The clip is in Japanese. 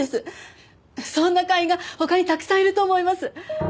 そんな会員が他にたくさんいると思います。